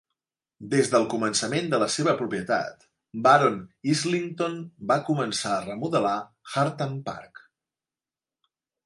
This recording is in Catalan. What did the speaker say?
Des del començament de la seva propietat, Baron Islington va començar a remodelar Hartham Park.